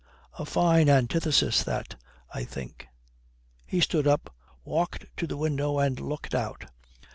A fine antithesis that, I think." He stood up, walked to the window, and looked out.